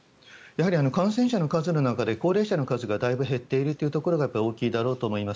感染者の数の中で高齢者の数がだいぶ減っているところが大きいだろうと思います。